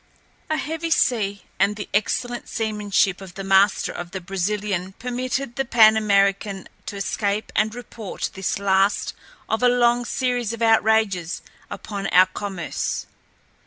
A heavy sea and the excellent seamanship of the master of the Brazilian permitted the Pan American to escape and report this last of a long series of outrages upon our commerce.